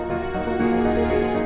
udah ga polisi